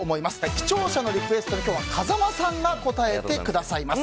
視聴者のリクエストに今日は風間さんが応えてくださいます。